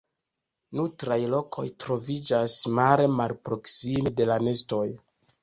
Nutraj lokoj troviĝas mare malproksime de la nestoj.